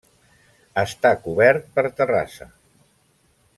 Està cobert per terrassa.